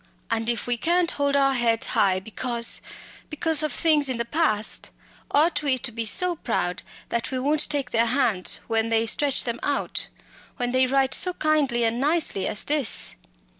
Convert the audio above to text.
And if we can't hold our heads high because because of things in the past ought we to be so proud that we won't take their hands when they stretch them out when they write so kindly and nicely as this?"